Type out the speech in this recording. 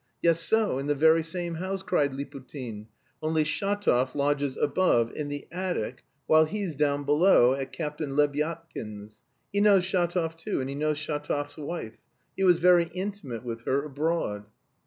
"Just so, in the very same house," cried Liputin, "only Shatov lodges above, in the attic, while he's down below, at Captain Lebyadkin's. He knows Shatov too, and he knows Shatov's wife. He was very intimate with her, abroad."